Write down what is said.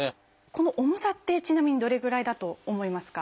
この重さってちなみにどれぐらいだと思いますか？